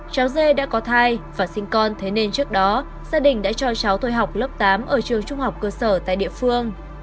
cháu dê đã có thai và sinh con thế nên trước đó gia đình đã cho cháu tôi học lớp tám ở trường trung học cơ sở tại địa phương